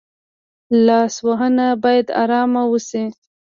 لاسونه باید آرام وشي